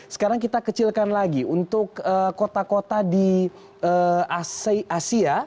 sekarang kita kecilkan lagi untuk kota kota di asia